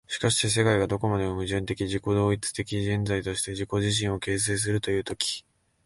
しかして世界がどこまでも矛盾的自己同一的現在として自己自身を形成するという時、